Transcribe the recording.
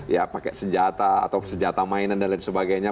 ya pakai senjata atau senjata mainan dan lain sebagainya